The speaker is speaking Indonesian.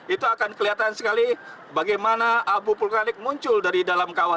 itu akan kelihatan sekali bagaimana abu vulkanik muncul dari dalam kawah